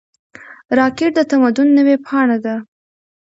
راکټ د تمدن نوې پاڼه ده